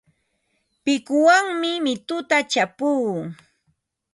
Pikuwanmi mituta chapuu.